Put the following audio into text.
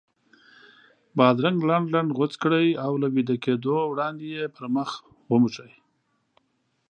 بادرنګ لنډ لنډ غوڅ کړئ او له ویده کېدو وړاندې یې پر مخ وموښئ.